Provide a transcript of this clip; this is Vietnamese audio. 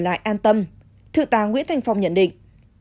để người về lại an tâm thượng tà nguyễn thanh phong nhận định